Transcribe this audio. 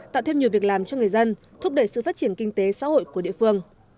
tạo thêm nhiều việc làm cho người dân thúc đẩy sự phát triển kinh tế xã hội của địa phương